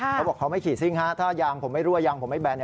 เขาบอกเขาไม่ขี่ซิ่งฮะถ้ายางผมไม่รั่วยางผมไม่แบน